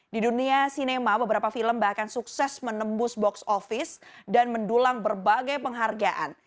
di dunia sinema beberapa film bahkan sukses menembus box office dan mendulang berbagai penghargaan